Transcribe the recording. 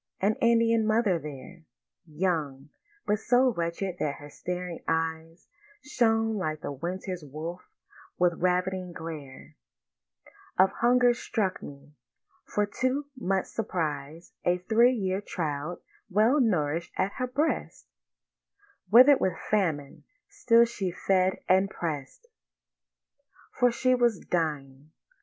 An Indian mother there, Young, but so wretched that her staring eyes Shone like the winter wolf's with ravening glare Of hunger, struck me. For to much surprise A three year child well nourish'd at her breast, Wither'd with famine, still she fed and press'd— For she was dying.